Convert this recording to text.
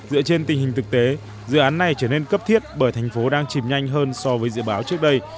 dựa trên tình hình thực tế dự án này trở nên cấp thiết bởi thành phố đang chìm nhanh hơn so với dự báo trước đây